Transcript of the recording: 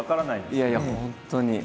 いやいや本当に。